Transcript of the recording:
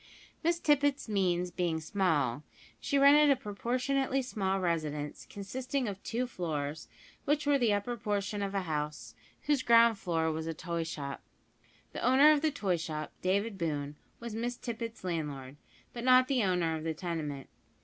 Miss Tippet's means being small, she rented a proportionately small residence, consisting of two floors, which were the upper portion of a house, whose ground floor was a toy shop. The owner of the toy shop, David Boone, was Miss Tippet's landlord; but not the owner of the tenement.